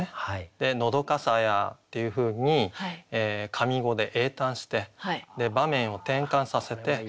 で「のどかさや」っていうふうに上五で詠嘆して場面を転換させて「枯山水」。